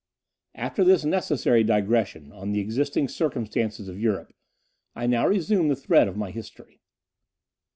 After this necessary digression on the existing circumstances of Europe, I now resume the thread of my history.